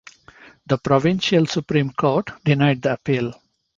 The Provincial Supreme Court denied the appeal.